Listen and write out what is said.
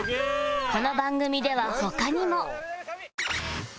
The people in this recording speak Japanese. この番組では他にも